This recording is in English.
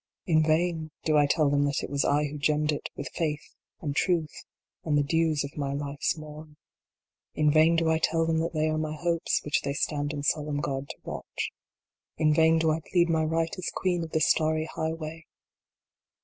In vain do I tell them that it was I who gemmed it with Faith and Truth, and the dews of my life s morn. In vain do I tell them that they are my hopes which they stand in solemn guard to watch. In vain do I plead my right as queen of the starry high way.